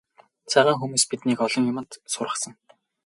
Цагаан хүмүүс биднийг олон юманд сургасан.